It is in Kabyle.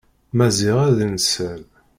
Maziɣ ad inser.